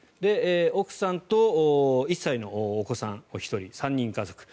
奥さんと１歳のお子さんお一人３人家族。